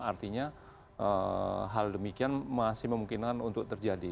artinya hal demikian masih memungkinkan untuk terjadi